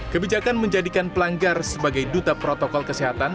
kebijakan menjadikan pelanggar sebagai duta protokol kesehatan